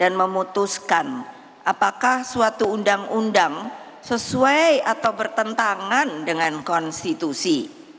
dan memutuskan apakah suatu undang undang sesuai atau bertentangan dengan konstitusi